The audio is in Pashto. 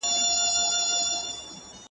یو ښکاري کرۍ ورځ ښکار نه وو مېندلی `